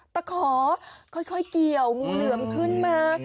ตะขอค่อยเกี่ยวงูเหลือมขึ้นมา